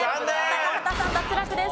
高畑さん脱落です。